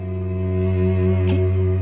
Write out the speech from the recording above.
えっ？